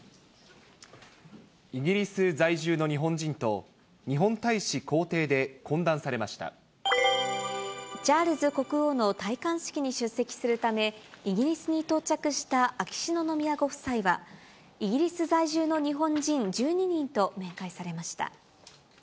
イギリス在住の日本人と日本チャールズ国王の戴冠式に出席するため、イギリスに到着した秋篠宮ご夫妻は、イギリス在住の日本人１２人と面会されました。